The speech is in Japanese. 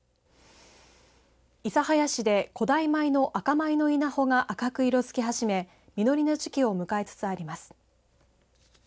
諫早市で古代米の赤米の稲穂が赤く色づき始め実りの時期を迎えつつあります。